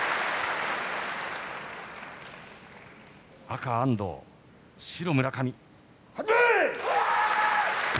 赤、安藤白、村上。